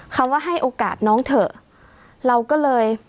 คำว่าให้โอกาสน้องเถอะเราก็เลย